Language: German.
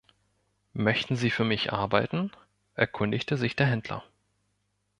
„Möchten Sie für mich arbeiten?“ erkundigte sich der Händler.